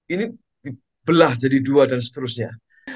ini dibelah jadi dua dan seterusnya